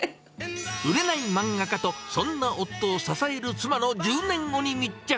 売れない漫画家と、そんな夫を支える妻の１０年後に密着。